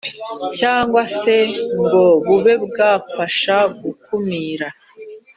cyangwa se ngo bube bwafasha gukumira